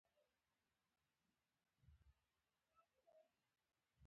له زندانه تر ازادېدو وروسته لیبیا ته لاړ.